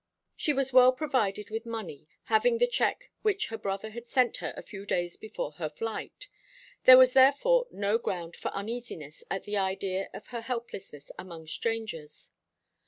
She was well provided with money, having the cheque which her brother had sent her a few days before her flight. There was therefore no ground for uneasiness at the idea of her helplessness among strangers.